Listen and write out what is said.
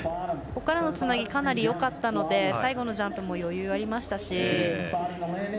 ここからのつなぎかなりよかったので最後のジャンプも余裕ありましたし。